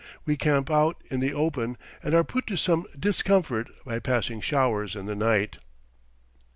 We camp out in the open, and are put to some discomfort by passing showers in the night.